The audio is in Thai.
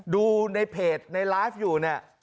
ดูในเพจในไลฟ์อยู่เนี่ย